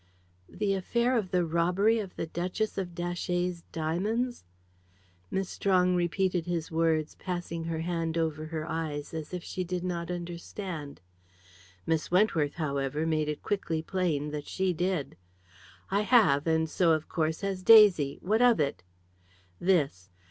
"The affair of the robbery of the Duchess of Datchet's diamonds?" Miss Strong repeated his words, passing her hand over her eyes, as if she did not understand. Miss Wentworth, however, made it quickly plain that she did. "I have; and so of course has Daisy. What of it?" "This.